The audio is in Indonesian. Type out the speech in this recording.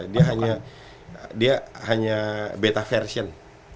dia hanya beta version